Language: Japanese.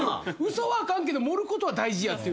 「嘘はあかんけど盛ることは大事や」って。